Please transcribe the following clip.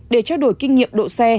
để trao đổi kinh nghiệm độ xe